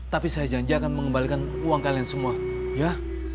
tapi saya janjikan mengembalikan uang kalian semua ya